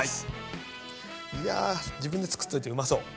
いや自分で作っといてうまそう！